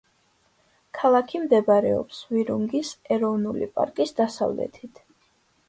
ქალაქი მდებარეობს ვირუნგის ეროვნული პარკის დასავლეთით.